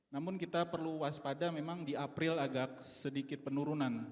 namun kita perlu waspada memang di april agak sedikit penurunan